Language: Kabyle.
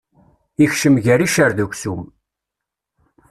Ikcem gar iccer d uksum.